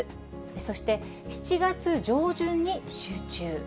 そして７月上旬に集中。